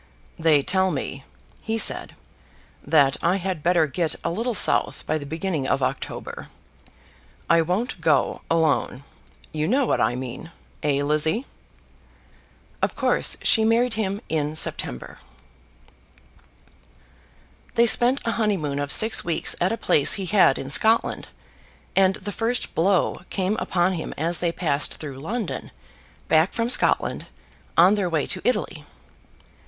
"They tell me," he said, "that I had better get a little south by the beginning of October. I won't go alone. You know what I mean; eh, Lizzie?" Of course she married him in September. They spent a honeymoon of six weeks at a place he had in Scotland, and the first blow came upon him as they passed through London, back from Scotland, on their way to Italy.